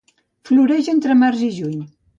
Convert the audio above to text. Floreix entre març i juny.